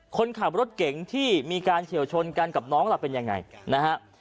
คนขับรถเก่งที่มีการเฉียวชนกันกับน้องล่ะเป็นยังไงนะฮะ